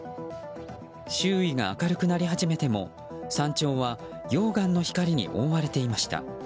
周囲が明るくなり始めても山頂は溶岩の光に覆われていました。